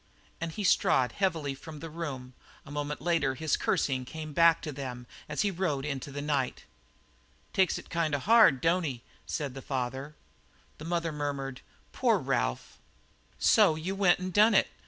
And he strode heavily from the room; a moment later his cursing came back to them as he rode into the night. "Takes it kind of hard, don't he?" said the father. And the mother murmured: "Poor Ralph!" "So you went an' done it?"